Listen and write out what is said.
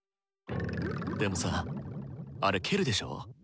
でもさぁあれ蹴るでしょ。